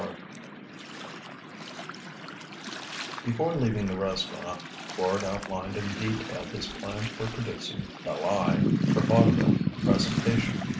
XXIII Before leaving the restaurant Quard outlined in detail his plans for producing "The Lie" for vaudeville presentation.